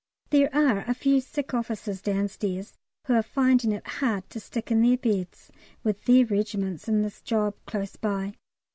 There are a few sick officers downstairs who are finding it hard to stick in their beds, with their regiments in this job close by.